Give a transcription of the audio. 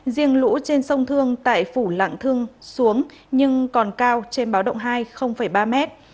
riêng lũ trên sông thương tại phủ lạng thương xuống nhưng còn cao trên báo động hai ba mét